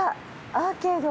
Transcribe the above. アーケード。